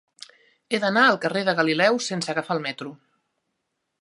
He d'anar al carrer de Galileu sense agafar el metro.